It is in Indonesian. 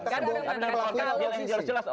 karena pelaku itu oposisi